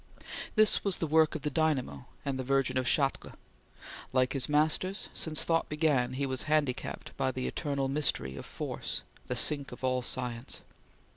This was the work of the dynamo and the Virgin of Chartres. Like his masters, since thought began, he was handicapped by the eternal mystery of Force the sink of all science.